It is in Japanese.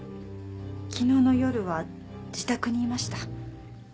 昨日の夜は自宅にいました。